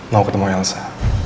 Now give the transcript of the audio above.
mau ketemu elsa